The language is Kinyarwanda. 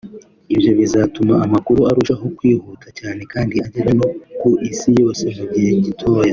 Ibyo bizatuma amakuru arushaho kwihuta cyane kandi agera no ku isi yose mu gihe gitoya